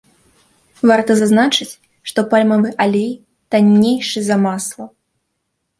Варта зазначыць, што пальмавы алей таннейшы за масла.